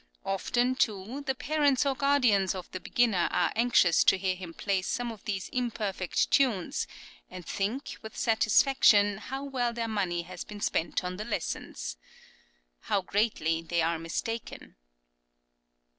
Often, too, the parents or guardians of the beginner are anxious to hear him play some of these imperfect tunes, and think, with satisfaction how well their money has been spent on the lessons. How greatly they are mistaken!"